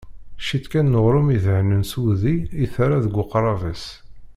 Ciṭ kan n uɣrum idehnen s wudi i terra deg uqrab-is.